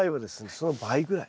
その倍ぐらい。